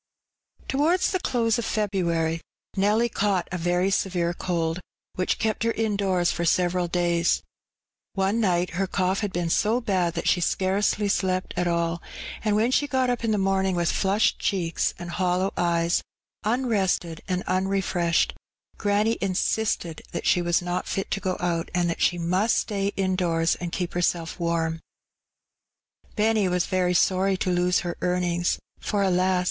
T ■OWARDS the close of February Nelly caught a very severe cold, which kept her indoors for several daya. One nighb her cough had been so bad that she scarcely slept at all, and when she got up in the morning, with flushed cheeks and hollow eye a, unrested and unrefreahed, granny in sisted that she was not fit to go out, and that she must stay indoors and keep her self warm. Benny was very sorry to lose her earnings, for, alas